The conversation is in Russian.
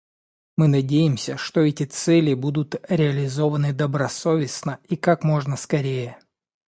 Мы надеемся, что эти цели будут реализованы добросовестно и как можно скорее.